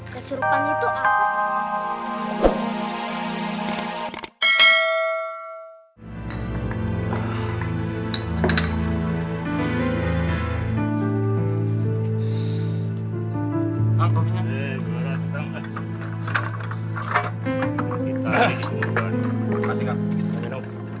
keserupan itu apaan